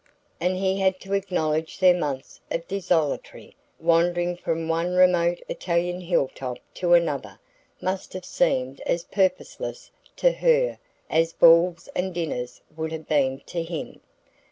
And he had to acknowledge their months of desultory wandering from one remote Italian hill top to another must have seemed as purposeless to her as balls and dinners would have been to him.